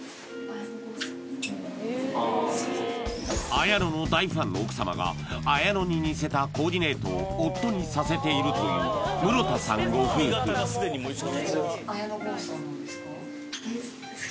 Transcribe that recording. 綾野の大ファンの奥様が綾野に似せたコーディネートを夫にさせているという室田さんご夫婦今！？